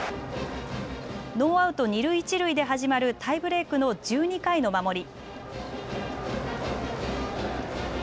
ノーアウト二塁、一塁で始まるタイブレークの１２回の守り。